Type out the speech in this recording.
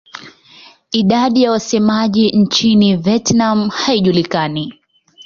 Idadi ya wasemaji nchini Vietnam haijulikani.